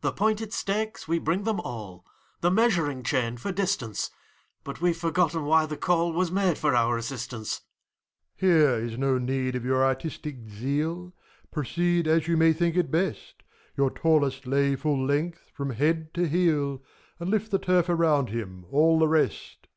The pointed stakes, we bring them all, The measuring chain, for distance; But we've forgotten why the call Was made for our assistance. MEPHISTOPHELES. Here is no need of your artistic zeal : Proceed as you may think it best ! Your tallest lay full length, from head to heel, And lift the turf around him, all the rest!